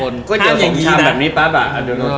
เดี๋ยวโน่นตก